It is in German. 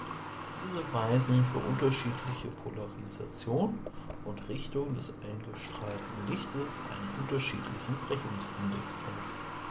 Diese weisen für unterschiedliche Polarisation und Richtung des eingestrahlten Lichtes einen unterschiedlichen Brechungsindex auf.